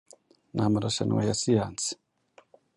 n’amarushanwa ya siyansi,